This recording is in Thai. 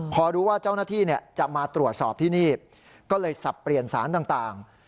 พอรู้ว่าเจ้าหน้าที่จะมาตรวจสอบที่นี่ก็เลยสับเปลี่ยนสารต่าง